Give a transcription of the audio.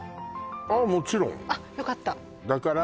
ああもちろんあっよかっただから